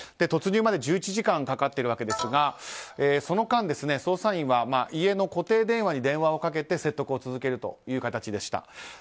突入まで１１時間かかっているわけですがその間、捜査員は家の固定電話に電話をかけて説得を続けるという形でした。